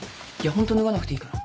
ホントに脱がなくていいから。